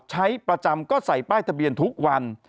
ใช้ประจำก็ใส่ป้ายทะเบียนทุกวัน